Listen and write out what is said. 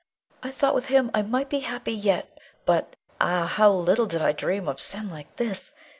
I thought with him I might be happy yet, but Ah, how little did I dream of sin like this!